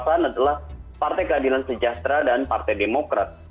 kekuasaan adalah partai keadilan sejahtera dan partai demokrat